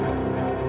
nyaris abis itu